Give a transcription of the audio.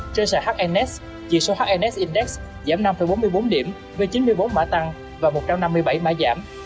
trên sàn hns chỉ số hns index giảm năm bốn mươi bốn điểm với chín mươi bốn mã tăng và một trăm năm mươi bảy mã giảm